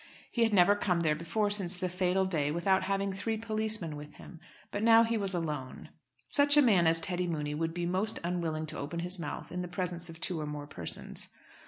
He had never come there before since the fatal day without having three policemen with him, but now he was alone. Such a man as Teddy Mooney would be most unwilling to open his mouth in the presence of two or more persons.